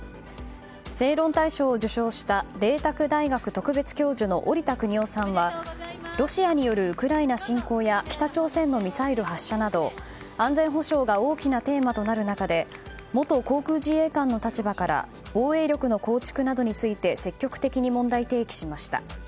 正論大賞を受賞した麗澤大学特別教授の織田邦男さんはロシアによるウクライナ侵攻や北朝鮮のミサイル発射など安全保障が大きなテーマとなる中で元航空自衛官の立場から防衛力の構築などについて積極的に問題提起しました。